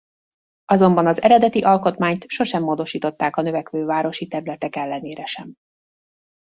Azonban az eredeti alkotmányt sosem módosították a növekvő városi területek ellenére sem.